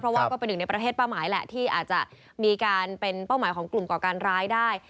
เพราะว่าก็เป็นหนึ่งในประเทศเป้าหมายแหละที่อาจจะมีการเป็นเป้าหมายของกลุ่มก่อการร้ายได้